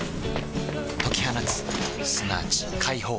解き放つすなわち解放